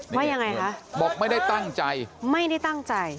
ว่ายังไงคะบอกไม่ได้ตั้งใจไม่ได้ตั้งใจ